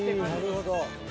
なるほど。